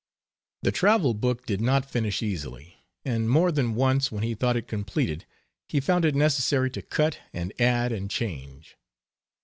The travel book did not finish easily, and more than once when he thought it completed he found it necessary to cut and add and change.